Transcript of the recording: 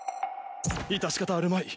致し方あるまい。